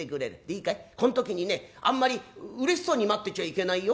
いいかいこん時にねあんまりうれしそうに待ってちゃいけないよ。